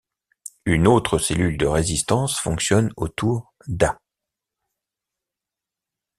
Une autre cellule de résistance fonctionne autour d'A.